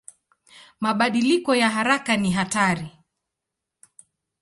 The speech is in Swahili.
Mabadiliko ya haraka ni hatari.